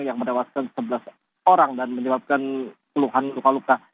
yang menewaskan sebelas orang dan menyebabkan keluhan luka luka